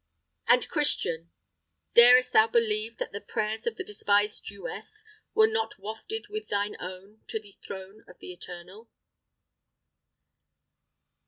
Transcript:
And, Christian! darest thou believe that the prayers of the despised Jewess were not wafted with thine own to the throne of the Eternal?